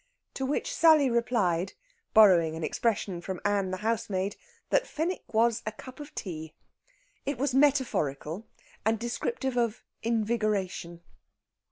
To which Sally replied, borrowing an expression from Ann the housemaid, that Fenwick was a cup of tea. It was metaphorical and descriptive of invigoration.